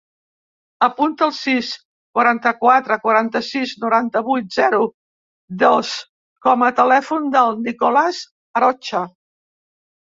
Apunta el sis, quaranta-quatre, quaranta-sis, noranta-vuit, zero, dos com a telèfon del Nicolàs Arocha.